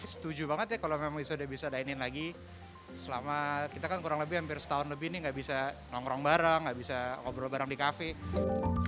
setuju banget ya kalau memang sudah bisa dine in lagi selama kita kan kurang lebih hampir setahun lebih nih nggak bisa nongkrong bareng gak bisa ngobrol bareng di cafe